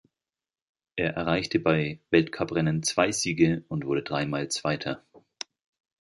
Er erreichte bei Weltcuprennen zwei Siege und wurde dreimal Zweiter.